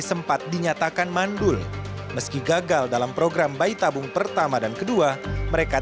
sempat dinyatakan mandul meski gagal dalam program bayi tabung pertama dan kedua mereka